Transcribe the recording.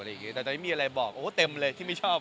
แต่ตอนนี้มีอะไรบอกโอ้เต็มเลยที่ไม่ชอบ